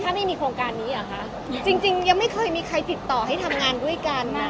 ถ้าไม่มีโครงการนี้เหรอคะจริงจริงยังไม่เคยมีใครติดต่อให้ทำงานด้วยกัน